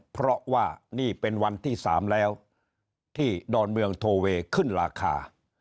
เพราะว่านี่เป็นวันที่๓แล้วที่ดอนเมืองโทเวย์ขึ้นราคา